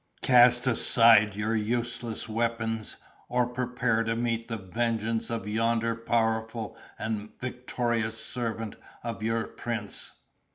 cast aside your useless weapons, or prepare to meet the vengeance of yonder powerful and victorious servant of your prince."